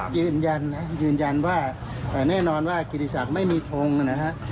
ยืนยันนะยืนยันว่าแน่นอนว่ากิติศักดิ์ไม่มีทงนะฮะ